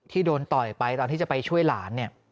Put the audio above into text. โดนต่อยไปตอนที่จะไปช่วยหลานเนี่ย